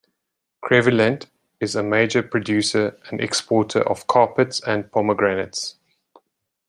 Crevillent is a major producer and exporter of carpets and pomegranates.